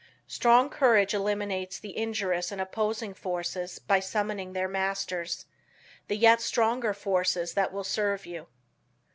Strong courage eliminates the injurious and opposing forces by summoning their masters, the yet stronger forces that will serve you.